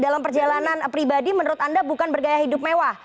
dalam perjalanan pribadi menurut anda bukan bergaya hidup mewah